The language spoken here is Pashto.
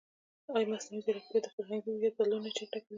ایا مصنوعي ځیرکتیا د فرهنګي هویت بدلون نه چټکوي؟